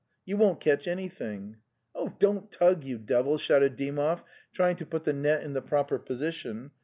'' You won't catch anything." 'Don't tug, you devil!' shouted Dymov trying to put the net in the proper position.